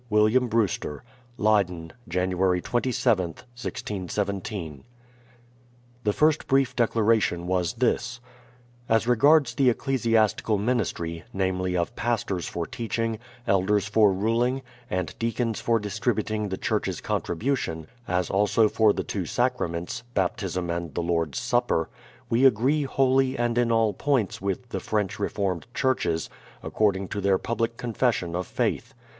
Leyden, Jan. 27th, 161 7. WILLIAM BREWSTER. The first brief declaration was this : As regards the Ecclesiastical ministry, namely of pastors for teaching, elders for ruling, and deacons for distributing the churches' contribution, as also for the two sacraments, — baptism and the Lord's supper, — we agree wholly and in all points with the French Reformed Churches, according to their public Confession of Faith.